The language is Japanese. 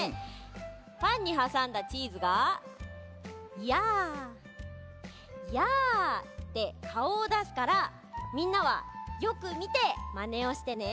パンにはさんだチーズが「やあやあ」ってかおをだすからみんなはよくみてマネをしてね。